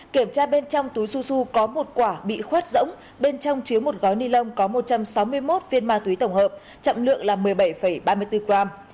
kiểm tra bên trong túi su su có một quả bị khuét rỗng bên trong chứa một gói ni lông có một trăm sáu mươi một viên ma túy tổng hợp trọng lượng là một mươi bảy ba mươi bốn gram